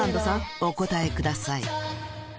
お答えください